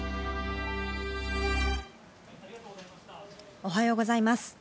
おはようございます。